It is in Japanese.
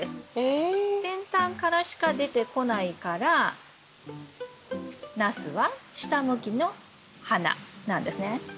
先端からしか出てこないからナスは下向きの花なんですね。